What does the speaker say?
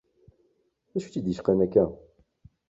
D acu i tt-id-icqan akka?